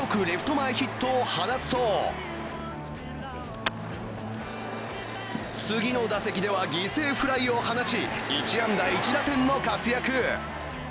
前ヒットを放つと次の打席では犠牲フライを放ち１安打１打点の活躍。